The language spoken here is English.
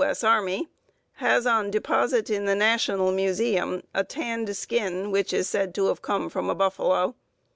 S. Army, has on deposit in the National Museum a tanned skin which is said to have come from a buffalo.